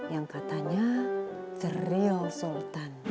yang katanya the real sultan